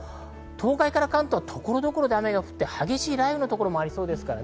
東海から関東は所々で雨が降って激しい雷雨の所もありそうです。